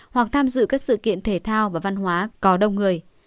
hoặc tham dự các sự kiện thể thao và văn hóa có đông người